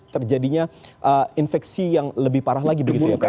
terjadinya infeksi yang lebih parah lagi